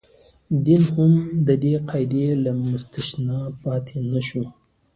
دین هم د دې قاعدې له مستثنا پاتې نه شو.